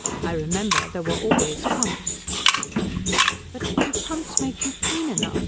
I remember there were always pumps." "But do pumps make you clean enough?"